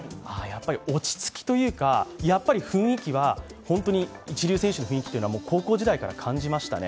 落ち着きというか、雰囲気は本当に一流選手の雰囲気というのは高校時代から感じましたね。